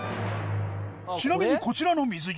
ちなみにこちらの水着。